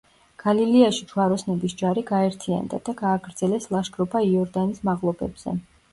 გალილეაში ჯვაროსნების ჯარი გაერთიანდა და გააგრძელეს ლაშქრობა იორდანის მაღლობებზე.